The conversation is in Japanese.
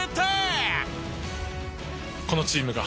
このチームが。